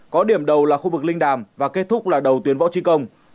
có điểm đầu là khu vực linh đàm và kết thúc là đầu tuyến võ trí công